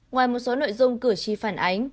ngoài một số nội dung cử tri phản ánh